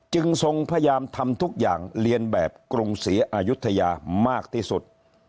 ทรงพยายามทำทุกอย่างเรียนแบบกรุงศรีอายุทยามากที่สุด